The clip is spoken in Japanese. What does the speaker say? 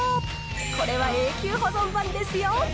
これは永久保存版ですよ。